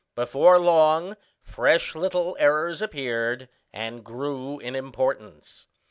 Before long fresh little errors appeared, and grew in importance.